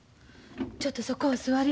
ちょっとそこお座り。